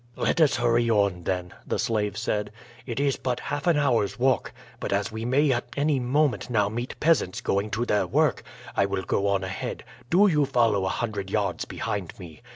"Let us hurry on, then," the slave said; "it is but half an hour's walk. But as we may at any moment now meet peasants going to their work, I will go on ahead; do you follow a hundred yards behind me.